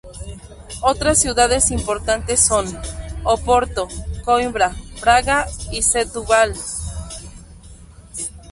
Otras ciudades importantes son: Oporto, Coimbra, Braga y Setúbal.